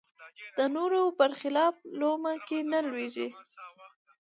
د نورو بر خلاف لومه کې نه لویېږي